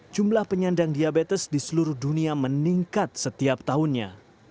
jumlah penyandang diabetes di seluruh dunia meningkat setiap tahunnya